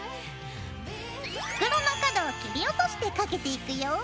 袋の角を切り落としてかけていくよ。